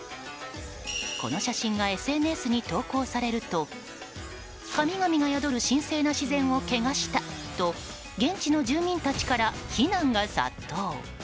この写真がＳＮＳに投稿されると神々が宿る神聖な自然を汚したと現地の住民たちから非難が殺到。